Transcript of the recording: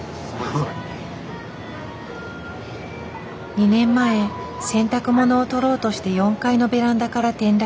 ２年前洗濯物を取ろうとして４階のベランダから転落。